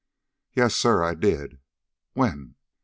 "Yes, sir; I did." "When?"